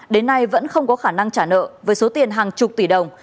đến nay vẫn không có khả năng trả nợ với số tiền hàng chục tỷ đồng